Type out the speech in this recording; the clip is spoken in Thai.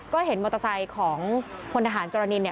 ก็เห็นมอเตอร์ไซค์ของพลธหารจรณีน